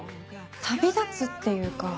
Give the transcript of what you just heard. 旅立つっていうか